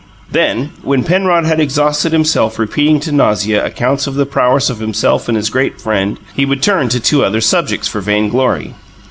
Then, when Penrod had exhausted himself repeating to nausea accounts of the prowess of himself and his great friend, he would turn to two other subjects for vainglory.